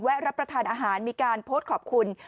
รับประทานอาหารมีการโพสต์ขอบคุณ